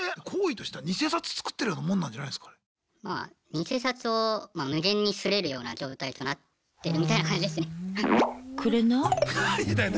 偽札を無限に刷れるような状態となってるみたいな感じですね。